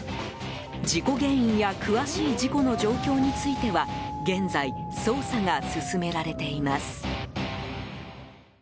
事故原因や詳しい事故の状況については現在、捜査が進められています。